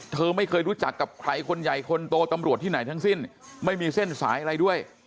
เธอไม่เคยรู้จักกับใครคนใหญ่คนโตตำรวจที่ไหนทั้งสิ้นไม่มีเส้นสายอะไรด้วย